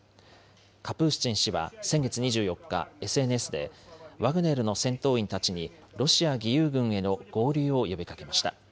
カプースチン氏は先月２４日、ＳＮＳで、ワグネルの戦闘員たちに、ロシア義勇軍への合流を呼びかけました。